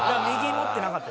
「持ってなかった」